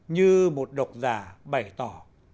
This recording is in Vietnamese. như một độc giả bày tỏ